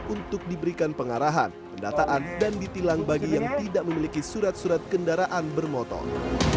untuk diberikan pengarahan pendataan dan ditilang bagi yang tidak memiliki surat surat kendaraan bermotor